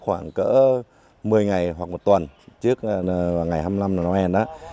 khoảng cỡ một mươi ngày hoặc một tuần trước ngày hai mươi năm tháng ngoen